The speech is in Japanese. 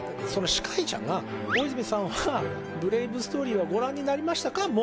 その司会者が「大泉さんは『ブレイブストーリー』はご覧になりましたか？